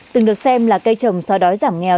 từng được xem là cây trồng xóa đói giảm nghèo